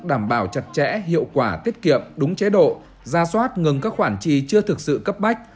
đảm bảo chặt chẽ hiệu quả tiết kiệm đúng chế độ ra soát ngừng các khoản chi chưa thực sự cấp bách